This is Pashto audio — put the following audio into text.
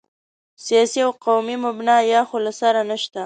سیاسي او قومي مبنا یا خو له سره نشته.